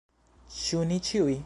Ĉu ni ĉiuj?